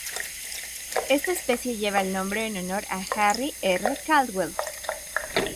Esta especie lleva el nombre en honor a Harry R. Caldwell.